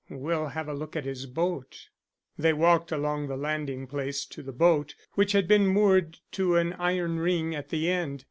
We'll have a look at his boat." They walked along the landing place to the boat, which had been moored to an iron ring at the end.